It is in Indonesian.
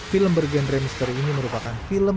film bergen remister ini merupakan film